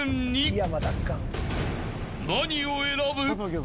［何を選ぶ？］